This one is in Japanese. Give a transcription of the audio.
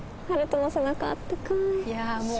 いやもう。